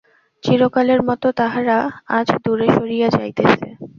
চিরকালের মতো তাহারা আজ দূরে সরিয়া যাইতেছে।